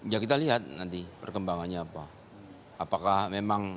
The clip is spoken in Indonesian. ya kita lihat nanti perkembangannya apa